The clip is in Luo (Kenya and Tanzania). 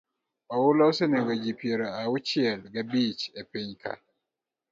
Oula osenego ji piero auchiel gabich e pinywa ka.